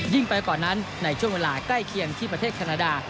ไปกว่านั้นในช่วงเวลาใกล้เคียงที่ประเทศแคนาดา